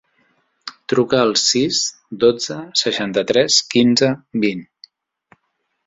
Truca al sis, dotze, seixanta-tres, quinze, vint.